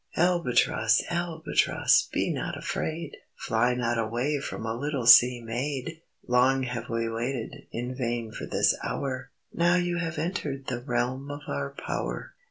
"Albatross! Albatross! Be not afraid, Fly not away From a little sea maid. Long have we waited In vain for this hour, Now you have entered The realm of our power."